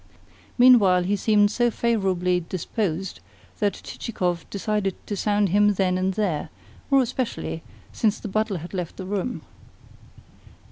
Meanwhile he seemed so favourably disposed that Chichikov decided to sound him then and there, more especially since the butler had left the room.